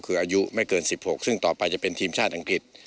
คืออายุไม่เกิน๑๖ซึ่งต่อไปจะเป็นทีมชาติอังกฤษ